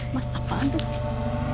mas apaan tuh